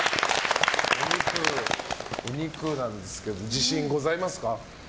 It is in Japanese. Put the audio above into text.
お肉なんですけど自信ございますか？